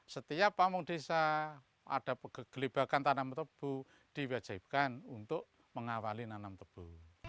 setiap pamung desa ada kegelibakan tanam tebu diwajibkan untuk mengawali nanam tebu